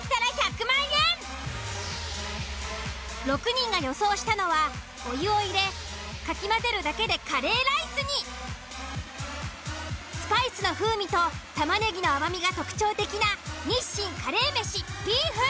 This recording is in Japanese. ６人が予想したのはお湯を入れかき混ぜるだけでカレーライスにスパイスの風味とたまねぎの甘みが特徴的な日清カレーメシビーフ。